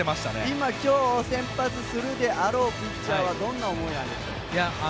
今、今日先発するであろうピッチャーはどんな思いなんでしょう？